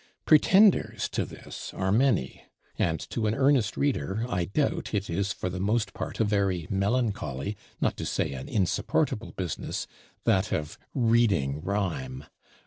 Pretenders to this are many; and to an earnest reader, I doubt, it is for most part a very melancholy, not to say an insupportable business, that of reading rhyme!